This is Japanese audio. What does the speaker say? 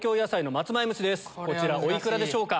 こちらお幾らでしょうか？